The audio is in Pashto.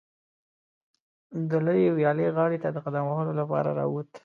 د لویې ویالې غاړې ته د قدم وهلو لپاره راووت.